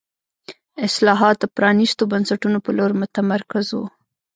اصلاحات د پرانیستو بنسټونو په لور متمرکز وو.